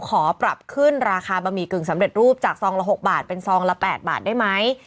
ขอปรับขึ้นราคาบะหมี่กึ่งสำเร็จรูปจากซองละ๖บาทเป็นซองละ๘บาทได้ไหม